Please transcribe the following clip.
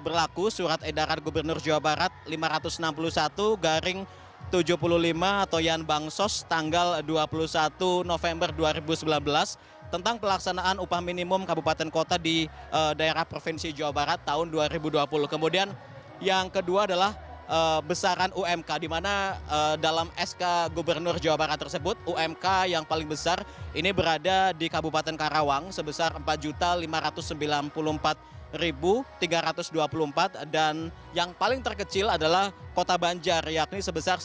pertama sekali saya ingin mengucapkan terima kasih kepada para penonton dan penonton yang telah menonton video ini